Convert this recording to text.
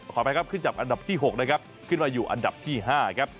ขออภัยครับขึ้นจับอันดับที่๖นะครับขึ้นมาอยู่อันดับที่๕ครับ